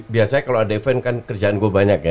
biasanya kalau ada event kan kerjaan gue banyak ya